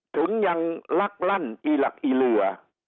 ถึงยังลักลั่นอีหลักอีเหลือ